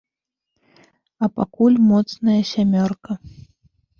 А пакуль моцная сямёрка.